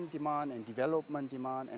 pengembangan pengembangan pengembangan